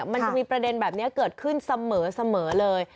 มันจะมีประเด็นแบบนี้เกิดขึ้นเสมอเลย